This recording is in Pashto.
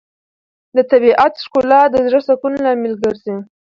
د طبیعت ښکلا د زړه سکون لامل ګرځي.